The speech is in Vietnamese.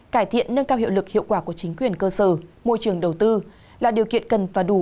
cải thiện nâng cao hiệu lực hiệu quả của chính quyền cơ sở môi trường đầu tư là điều kiện cần và đủ